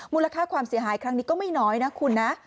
มูลค่าความเสียหายครั้งนี้ก็ไม่น้อยนะคุณนะ